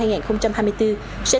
sẽ được tổng kiểm soát